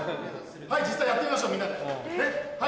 はい実際やってみましょうみんなでねっはい。